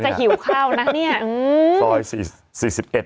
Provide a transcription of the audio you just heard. ซอยสี่สิบเอ็ด